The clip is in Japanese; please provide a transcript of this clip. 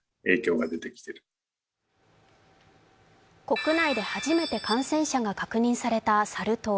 国内で初めて感染者が確認されたサル痘。